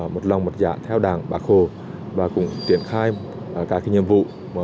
mật lòng mật dạ theo đảng ba cô và cũng tiến khai các nhiệm vụ